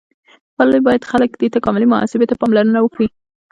ولې باید خلک دې تکاملي محاسبې ته پاملرنه وکړي؟